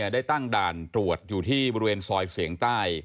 ได้ตั้งด่านตรวจอยู่ที่บริเวณซอยเสียงใต้